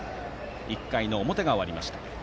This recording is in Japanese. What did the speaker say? １回の表が終わりました。